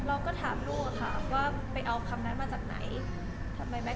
เราก็ถามลูกค่าว่าไปเอาคำแอนมาจากไหน